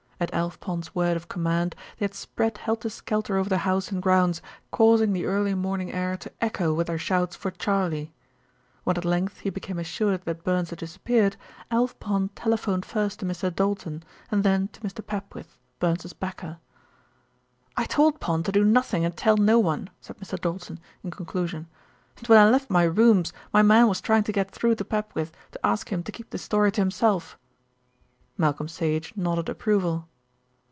At Alf Pond's word of command they had spread helter skelter over the house and grounds, causing the early morning air to echo with their shouts for "Charley." When at length he became assured that Burns had disappeared, Alf Pond telephoned first to Mr. Doulton and then to Mr. Papwith, Burns's backer. "I told Pond to do nothing and tell no one," said Mr. Doulton, in conclusion, "and when I left my rooms my man was trying to get through to Papwith to ask him to keep the story to himself." Malcolm Sage nodded approval.